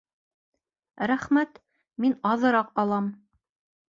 Рәхмәт, мин аҙыраҡ алам